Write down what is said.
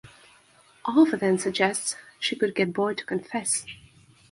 Ava then suggests she could get Boyd to confess.